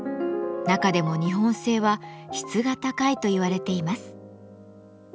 中でも日本製は質が高いといわれています。